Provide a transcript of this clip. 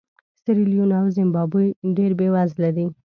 سیریلیون او زیمبابوې ډېر بېوزله دي.